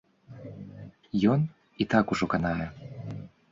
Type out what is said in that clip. Ён і так ужо канае.